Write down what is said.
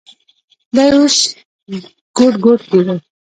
دى اوس ګوډ ګوډ کېده.